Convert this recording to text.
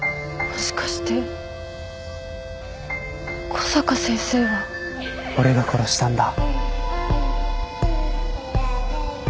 もしかして小坂先生は。俺が殺したんだ。